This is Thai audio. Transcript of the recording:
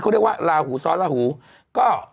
เขาเรียกว่าลาหูซ้อนลาหูก็